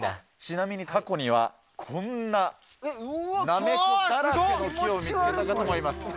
ちなみに過去には、こんなナメコだらけの木を見つけた方もいます。